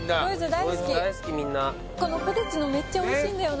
’大好きみんなこのポテチのめっちゃおいしいんだよな